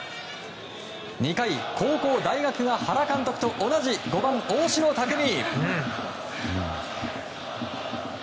２回高校、大学が原監督と同じ５番、大城卓三。